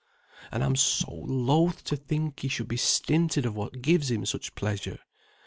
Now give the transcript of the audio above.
and I'm so loath to think he should be stinted of what gives him such pleasure.